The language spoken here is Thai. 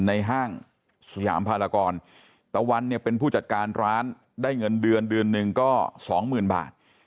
ฮในห้างสวอามภรรกรตะวันเป็นผู้จัดการร้านได้เงินเดือน๑ก็สองหมื่นบาท